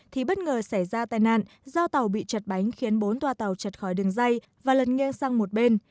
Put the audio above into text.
thì bất ngờ xảy ra tai nạn do tàu bị chật bánh khiến bốn toa tàu chật khỏi đường dây và lật nghiêng sang một bên